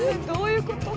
どういう事？」